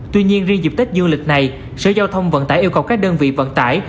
tuy nhiên riêng dịp tết dương lịch này sở giao thông vận tải yêu cầu các đơn vị vận tải